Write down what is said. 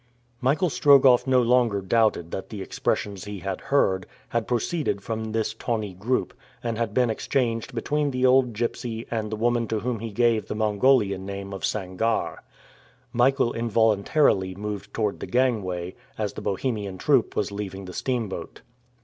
Michael Strogoff no longer doubted that the expressions he had heard, had proceeded from this tawny group, and had been exchanged between the old gypsy and the woman to whom he gave the Mongolian name of Sangarre. Michael involuntarily moved towards the gangway, as the Bohemian troop was leaving the steamboat.